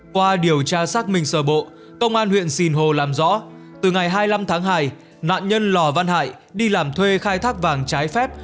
qua điều tra xác minh sở bộ công an huyện sinh hồ làm rõ từ ngày hai mươi năm tháng hai nạn nhân lò văn hải đi làm thuê khai thác vàng trái phép